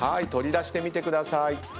取り出してみてください。